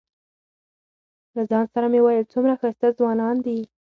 له ځان سره مې ویل څومره ښایسته ځوانان دي.